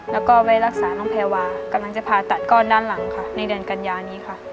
แล้วก็ไปรักษาน้องแพรวากำลังจะผ่าตัดก้อนด้านหลังค่ะในเดือนกัญญานี้ค่ะ